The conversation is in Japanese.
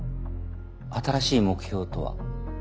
新しい目標とは？